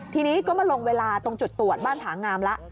ทีนี้ก็มาลงเวลาตรงจุดตรวจบ้านผางามแล้ว